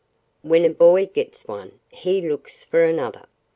When a boy gets one he looks for another.